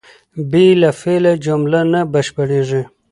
بې له فعله جمله نه بشپړېږي.